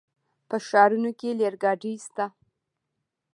په ښارونو کې ریل ګاډي شته.